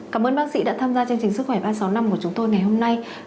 cảm ơn bác sĩ đã tham gia chương trình sức khỏe ba trăm sáu mươi năm của chúng tôi ngày hôm nay